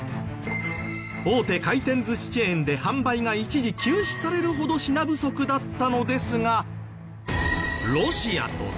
大手回転寿司チェーンで販売が一時休止されるほど品不足だったのですが。